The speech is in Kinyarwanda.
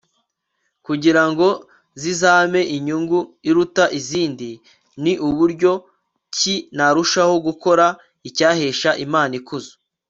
kugira ngo zizampe inyungu iruta izindi? ni buryo ki narushaho gukora icyahesha imana ikuzo